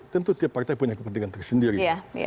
tentu tiap partai punya kepentingan tersendiri